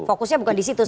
fokusnya bukan disitu